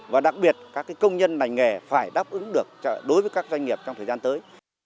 và đặc biệt các công nhân lành nghề phải đáp ứng được đối với các doanh nghiệp trong thời gian tới